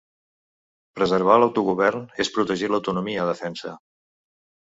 Preservar l’autogovern és protegir l’autonomia, defensa.